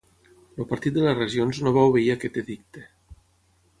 El Partit de les Regions no va obeir aquest edicte.